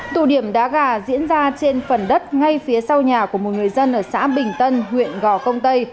tụ điểm đá gà diễn ra trên phần đất ngay phía sau nhà của một người dân ở xã bình tân huyện gò công tây